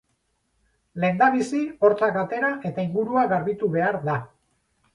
Lehendabizi, hortzak atera eta ingurua garbitu behar da.